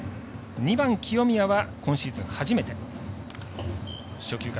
２番、清宮は今シーズン初めて。